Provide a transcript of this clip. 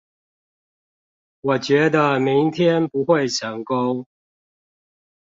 我覺得明天不會成功